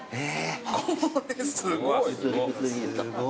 ・これすごい。すご！